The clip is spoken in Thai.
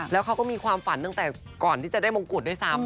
แล้วเขาก็มีความฝันตั้งแต่ก่อนที่จะได้มงกุฎด้วยซ้ำ